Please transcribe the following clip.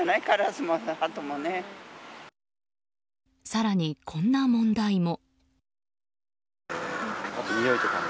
更に、こんな問題も。